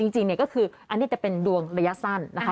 จริงเนี่ยก็คืออันนี้จะเป็นดวงระยะสั้นนะคะ